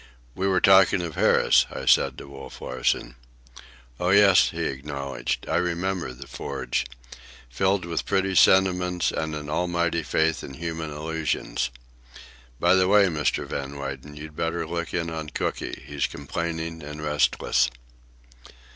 "We were talking of Harris," I said to Wolf Larsen. "Oh, yes," he acknowledged. "I remember the 'Forge.' Filled with pretty sentiments and an almighty faith in human illusions. By the way, Mr. Van Weyden, you'd better look in on Cooky. He's complaining and restless."